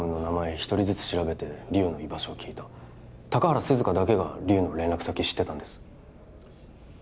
一人ずつ調べて莉桜の居場所を聞いた高原涼香だけが莉桜の連絡先知ってたんです